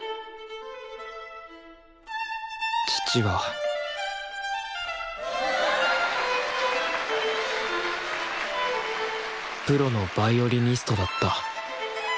父はプロのヴァイオリニストだった。